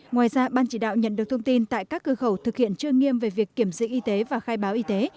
ngoài ra ban chỉ đạo nhận được thông tin tại các cơ khẩu thực hiện trương nghiêm về việc kiểm dịch y tế và khai báo y tế